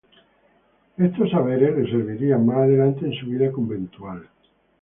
Estos saberes le servirían más adelante en su vida conventual.